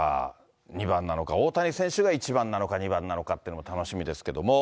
２番なのか、大谷選手が１番なのか２番なのかっていうのも、楽しみですけれども。